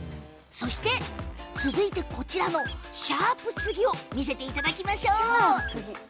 続いて、こちらのシャープつぎを見せていただきましょう。